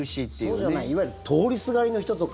そうじゃないいわゆる通りすがりの人とか。